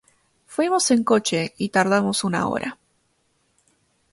Fuimos en coche y tardamos una hora.